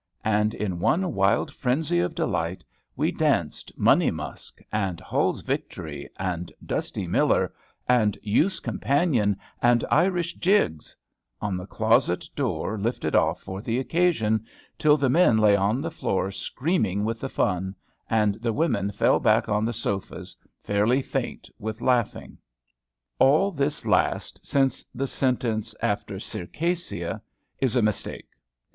And in one wild frenzy of delight we danced "Money Musk" and "Hull's Victory" and "Dusty Miller" and "Youth's Companion," and "Irish Jigs" on the closet door lifted off for the occasion, till the men lay on the floor screaming with the fun, and the women fell back on the sofas, fairly faint with laughing. All this last, since the sentence after "Circassia," is a mistake.